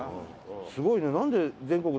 すごいね。